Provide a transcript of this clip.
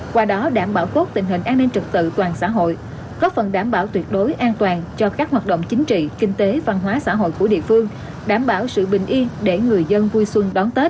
qua đó đảm bảo tốt tình hình an ninh trực tự toàn xã hội góp phần đảm bảo tuyệt đối an toàn cho các hoạt động chính trị kinh tế văn hóa xã hội của địa phương đảm bảo sự bình yên để người dân vui xuân đón tết